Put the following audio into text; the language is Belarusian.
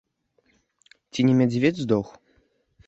Ці не мядзведзь здох?